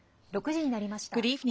６時になりました。